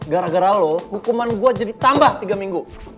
gara gara lo hukuman gue jadi tambah tiga minggu